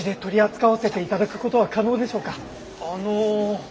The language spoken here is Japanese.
あの。